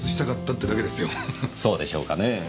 そうでしょうかねぇ。